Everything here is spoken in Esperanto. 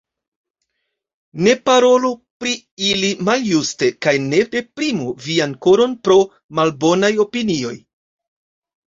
Ne parolu pri ili maljuste kaj ne deprimu vian koron pro malbonaj opinioj.